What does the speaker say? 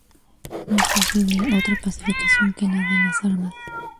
No es posible otra pacificación que la de las armas.